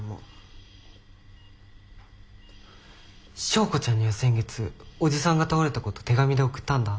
昭子ちゃんには先月伯父さんが倒れたこと手紙で送ったんだ。